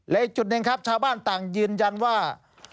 และอีกจุดหนึ่งครับชาวบ้านต่างยืนยันว่า